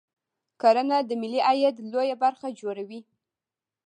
کرنه د ملي عاید لویه برخه جوړوي